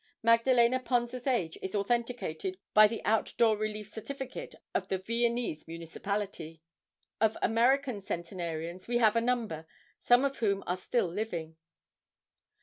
Magdalene Ponza's age is authenticated by the outdoor relief certificate of the Viennese Municipality." Of American centenarians we have a number, some of whom are still living.